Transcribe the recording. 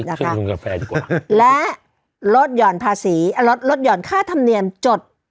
ไปยุ่งกับแฟนกว่าและลดหย่อนภาษีลดลดหย่อนค่าธรรมเนียมจด